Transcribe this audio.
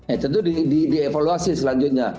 itu di evaluasi selanjutnya